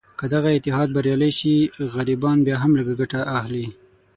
که دغه اتحاد بریالی شي، غریبان بیا هم لږه ګټه اخلي.